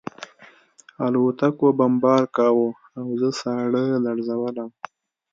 الوتکو بمبار کاوه او زه ساړه لړزولم